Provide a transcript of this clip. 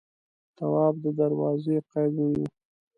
تواب د دروازې قید ونيو.